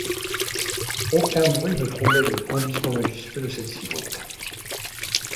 Aucun bruit ne troublait le glissement majestueux de cette silhouette.